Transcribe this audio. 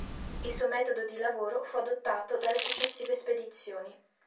Il suo metodo di lavoro fu adottato dalle successive spedizioni.